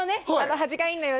端がいいんだよね